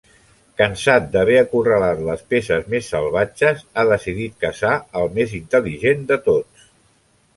Cansat d'haver acorralat les peces més salvatges, ha decidit caçar el més intel·ligent de tots.